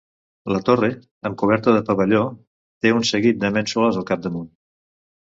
La torre, amb coberta de pavelló, té un seguit de mènsules al capdamunt.